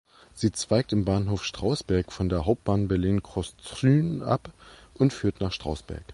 Sie zweigt im Bahnhof Strausberg von der Hauptbahn Berlin–Kostrzyn ab und führt nach Strausberg.